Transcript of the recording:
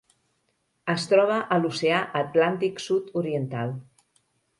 Es troba a l'Oceà Atlàntic sud-oriental: